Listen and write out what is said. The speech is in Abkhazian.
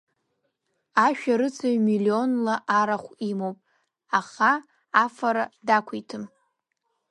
Ашәарыцаҩ миллионла арахә имоуп, аха афара дақәиҭым.